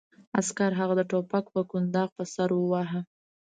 عسکر هغه د ټوپک په کنداغ په سر وواهه